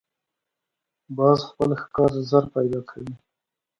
باز خپل ښکار ژر پیدا کوي